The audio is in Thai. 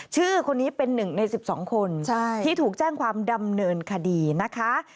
ชื่อคนนี้เป็น๑ใน๑๒คนที่ถูกแจ้งความดำเนินคดีนะคะ